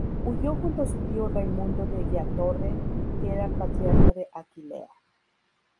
Huyó junto a su tío Raimundo della Torre, que era Patriarca de Aquilea.